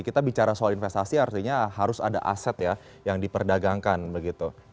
kita bicara soal investasi artinya harus ada aset ya yang diperdagangkan begitu